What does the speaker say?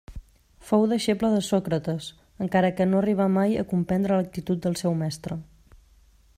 Fou deixeble de Sòcrates, encara que no arribà mai a comprendre l'actitud del seu mestre.